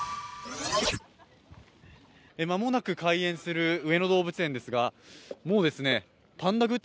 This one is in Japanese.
間もなく開園する上野動物園ですが、もうパンダグッズ